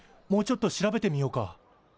もうちょっと調べてみようか。